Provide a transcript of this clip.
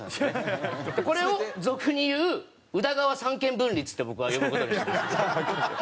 これを俗に言う「宇田川三権分立」って僕は呼ぶ事にしてます。